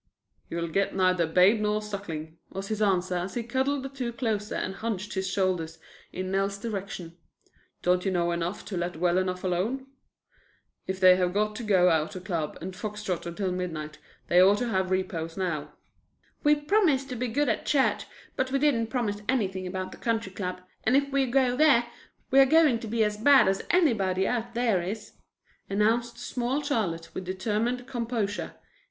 "You'll get neither Babe nor Suckling," was his answer as he cuddled the two closer and hunched his shoulders in Nell's direction. "Don't you know enough to let well enough alone? If they have got to go out to the Club and fox trot until midnight they ought to have repose now." "We promised to be good at church, but we didn't promise anything about the Country Club, and if we go there we are going to be as bad as anybody out there is," announced small Charlotte with determined composure.